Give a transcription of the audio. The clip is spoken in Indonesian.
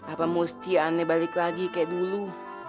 apa mesti aneh balik lagi kayak dulu